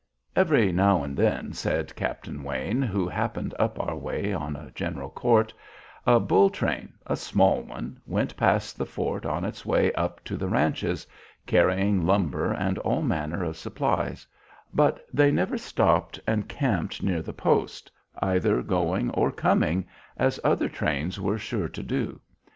"Every now and then," said Captain Wayne, who happened up our way on a general court, "a bull train a small one went past the fort on its way up to the ranches, carrying lumber and all manner of supplies, but they never stopped and camped near the post either going or coming, as other trains were sure to do.